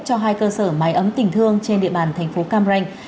cho hai cơ sở mái ấm tình thương trên địa bàn thành phố cam ranh